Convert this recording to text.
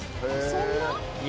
そんな？